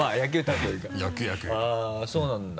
あぁそうなんだ。